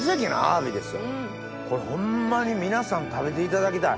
これホンマに皆さん食べていただきたい。